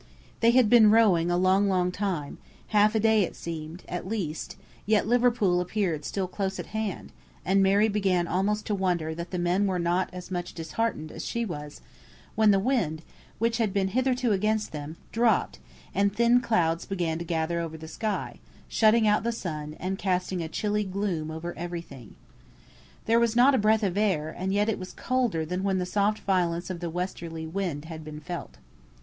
They had been rowing a long, long time half a day it seemed, at least yet Liverpool appeared still close at hand, and Mary began almost to wonder that the men were not as much disheartened as she was, when the wind, which had been hitherto against them, dropped, and thin clouds began to gather over the sky, shutting out the sun, and casting a chilly gloom over every thing. There was not a breath of air, and yet it was colder than when the soft violence of the westerly wind had been felt.